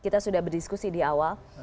kita sudah berdiskusi di awal